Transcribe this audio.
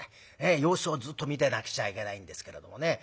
様子をずっと見てなくちゃいけないんですけれどもね。